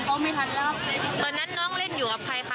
เล่นอยู่กันสามคนนะครับ